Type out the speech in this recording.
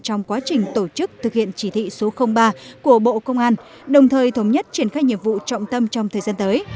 trong quá trình tổ chức thực hiện chỉ thị số ba của bộ công an đồng thời thống nhất triển khai nhiệm vụ trọng tâm trong thời gian tới